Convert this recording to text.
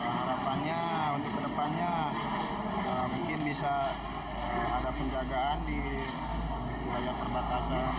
harapannya untuk kedepannya mungkin bisa ada penjagaan di wilayah perbatasan